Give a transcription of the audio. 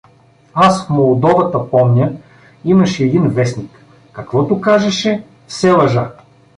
Аз в Молдовата помня, имаше един вестник, каквото кажеше — все лъжа.